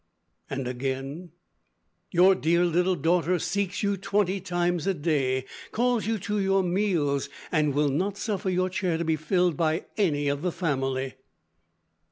And again: "Your dear little daughter seeks you twenty times a day, calls you to your meals, and will not suffer your chair to be filled by any of the family."